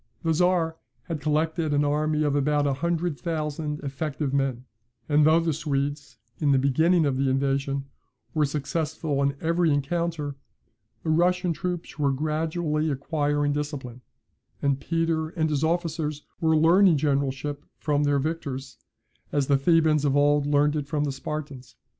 The Czar had collected an army of about a hundred thousand effective men; and though the Swedes, in the beginning of the invasion, were successful in every encounter, the Russian troops were gradually acquiring discipline; and Peter and his officers were learning generalship from their victors, as the Thebans of old learned it from the Spartans.